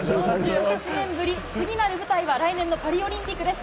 次なる舞台は来年のパリオリンピックです。